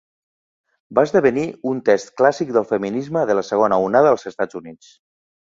Va esdevenir un text clàssic del feminisme de la segona onada als Estats Units.